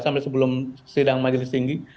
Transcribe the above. sampai sebelum sidang majelis tinggi